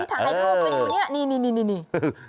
พี่ถ่ายโทษว่าเป็นอยู่นี่ล่ะนี่